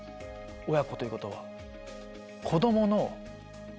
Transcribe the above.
親子ということは。